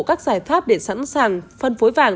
các giải pháp để sẵn sàng phân phối vàng